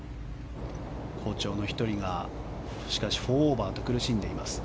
好調の１人が４オーバーと苦しんでいます。